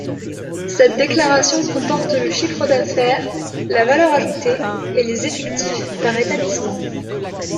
Cette déclaration comporte le chiffre d’affaires, la valeur ajoutée et les effectifs par établissement.